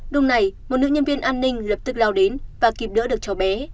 lúc này một nữ nhân viên an ninh lập tức lao đến và kịp đỡ được cháu bé